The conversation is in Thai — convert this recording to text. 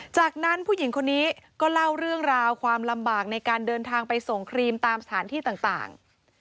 จากนั้นผู้หญิงคนนี้ก็เล่าเรื่องราวความลำบากในการเดินทางไปส่งครีมตามสถานที่ต่าง